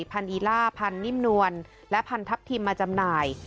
พันอีล่าพันนิ่มนวลและพันทัพทิมมาจำหน่าย